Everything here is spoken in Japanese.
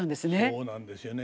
そうなんですよね。